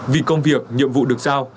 vì công việc nhiệm vụ được sao